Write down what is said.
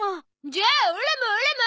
じゃあオラもオラも！